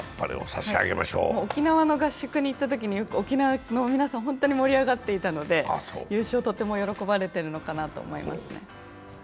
沖縄の合宿に行ったときに沖縄の皆さんホントに盛り上がっていたので優勝、とても喜ばれてるのかなと思います。